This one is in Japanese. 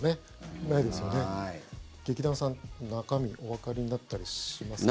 劇団さん、中身おわかりになったりしますか？